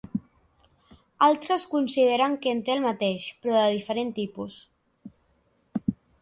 Altres consideren que en té el mateix, però de diferent tipus.